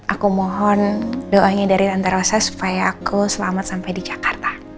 aku mohon doanya dari tentara saya supaya aku selamat sampai di jakarta